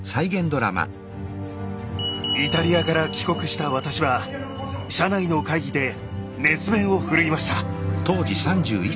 イタリアから帰国した私は社内の会議で熱弁を振るいました。